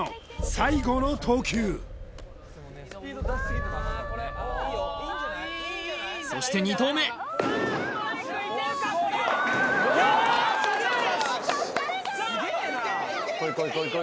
最後の投球そして２投目こいこいこいこいこい